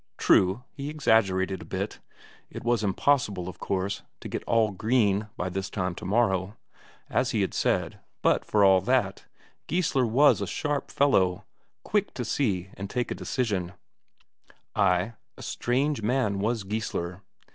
True, he exaggerated a bit it was impossible, of course, to get all green by this time tomorrow, as he had said, but for all that, Geissler was a sharp fellow, quick to see and take a decision; ay, a strange man was Geissler.